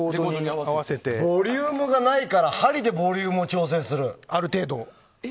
ボリュームがないから針でボリュームを調整する。